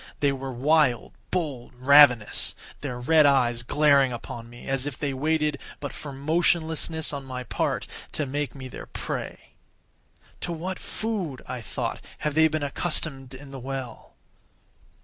They were wild, bold, ravenous—their red eyes glaring upon me as if they waited but for motionlessness on my part to make me their prey. "To what food," I thought, "have they been accustomed in the well?"